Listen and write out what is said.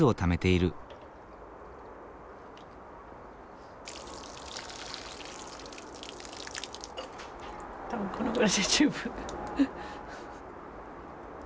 多分このぐらいで十分。